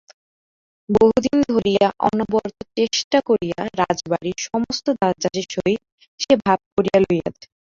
বহুদিন ধরিয়া অনবরত চেষ্টা করিয়া রাজবাটীর সমস্ত দাসদাসীর সহিত সে ভাব করিয়া লইয়াছে।